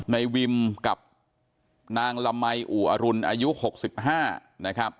ในวิมกับนางละมัยอู่อรุณอายุ๖๕นะครับ